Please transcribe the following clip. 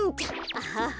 アハハ！